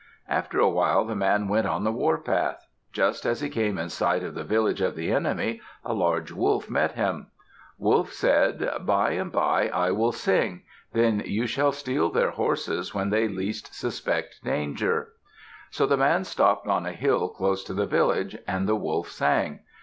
After a while the man went on the warpath. Just as he came in sight of the village of the enemy, a large wolf met him. Wolf said, "By and by I will sing. Then you shall steal their horses when they least suspect danger." So the man stopped on a hill close to the village. And the wolf sang.